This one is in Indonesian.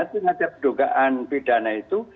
tidak ada dugaan pidana itu